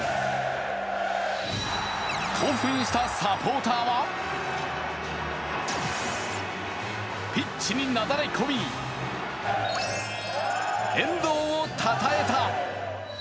興奮したサポーターはピッチになだれ込み遠藤をたたえた。